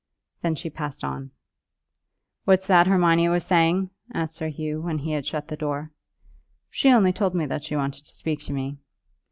Then she passed on. "What's that Hermione was saying?" asked Sir Hugh, when he had shut the door. "She only told me that she wanted to speak to me."